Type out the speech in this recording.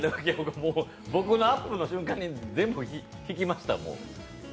僕のアップの瞬間に全部引きました。